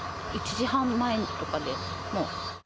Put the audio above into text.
１時半前とかでもう。